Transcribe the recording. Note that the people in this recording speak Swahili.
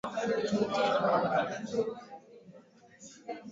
meli ya taitanic ilikuwa na matanki kumi na sita